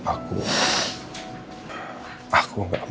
aku gak berguna